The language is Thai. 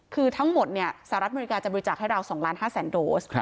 คือทั้งหมดสหรัฐอเมริกาจะบริจาคให้เรา๒๕๐๐๐โดส